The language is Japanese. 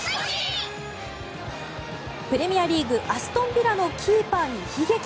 プレミアリーグアストン・ビラのキーパーに悲劇。